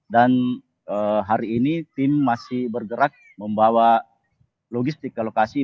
dan hari ini tim masih bergerak membawa logistik ke lokasi